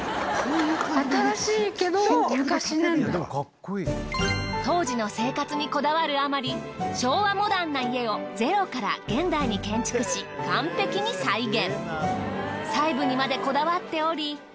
こちらは当時の生活にこだわるあまり昭和モダンな家をゼロから現代に建築し完璧に再現。